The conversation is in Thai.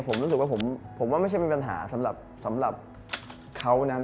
ผมรู้สึกว่าผมว่าไม่ใช่เป็นปัญหาสำหรับเขานะ